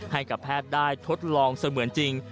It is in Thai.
ให้กับแพทย์ได้ทดลองเสมือนจริง